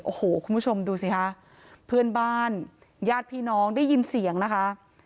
โอ้โหคุณผู้ชมดูสิคะเพื่อนบ้านญาติพี่น้องได้ยินเสียงนะคะ